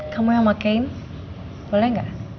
kamu yang pakaiin boleh nggak